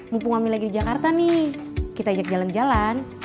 mumpung ngambil lagi di jakarta nih kita ajak jalan jalan